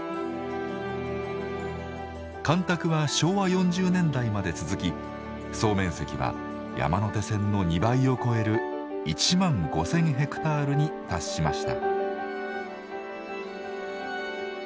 干拓は昭和４０年代まで続き総面積は山手線の２倍を超える１万５，０００ヘクタールに達しました。